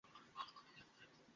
কোথায় যাচ্ছ, জেনারেল?